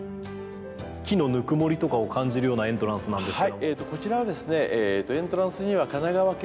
木のぬくもりとかを感じるようなエントランスなんですが。